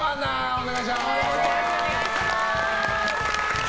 お願いします。